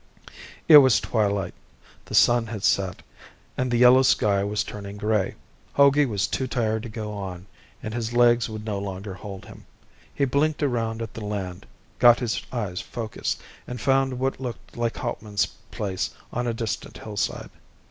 It was twilight. The sun had set, and the yellow sky was turning gray. Hogey was too tired to go on, and his legs would no longer hold him. He blinked around at the land, got his eyes focused, and found what looked like Hauptman's place on a distant hillside.